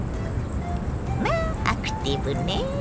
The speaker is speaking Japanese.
まあアクティブね！